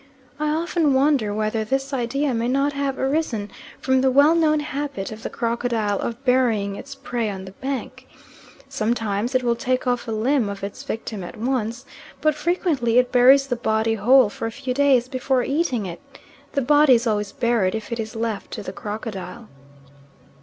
I often wonder whether this idea may not have arisen from the well known habit of the crocodile of burying its prey on the bank. Sometimes it will take off a limb of its victim at once, but frequently it buries the body whole for a few days before eating it. The body is always buried if it is left to the crocodile.